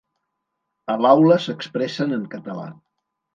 A l’aula s’expressen en català.